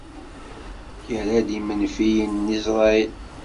Irra-d imenfiyen n Isṛayil.